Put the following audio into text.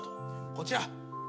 こちら。